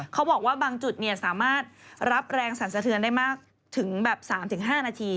เขาบอกว่าบางจุดสามารถรับแรงสรรสะเทือนได้มากถึงแบบ๓๕นาที